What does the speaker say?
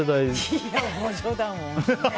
いや、ご冗談を。